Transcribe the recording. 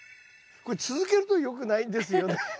これ続けるとよくないんですよね。